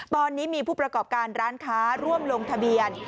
ตอนนี้มีผู้ประกอบการร้านค้าร่วมลงทะเบียน